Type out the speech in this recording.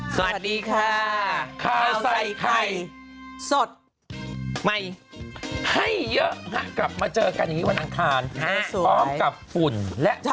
สวัสดีค่ะข้าวใส่ไข่สดใหม่ให้เยอะฮะกลับมาเจอกันอย่างนี้วันอังคารพร้อมกับฝุ่นและ